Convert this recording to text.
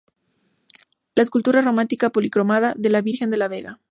La escultura románica policromada de la Virgen de la Vega.